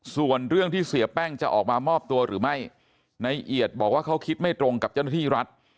ส่วนเรื่องที่เสียแป้งจะออกมามอบตัวหรือไม่ในเอียดบอกว่าเขาคิดไม่ตรงกับเจ้าหน้าที่รัฐ